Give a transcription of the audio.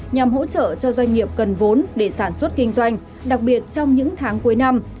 nhằm hỗ trợ cho doanh nghiệp cần vốn để sản xuất kinh doanh đặc biệt trong những tháng cuối năm